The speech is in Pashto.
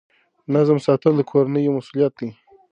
نظم ساتل د کورنۍ یوه مسؤلیت ده.